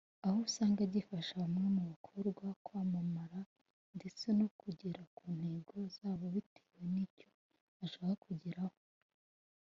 aho usanga gifasha bamwe mu bakobwa kwamamara ndetse no kugera ku ntego zabo bitewe nicyo ashaka kugeraho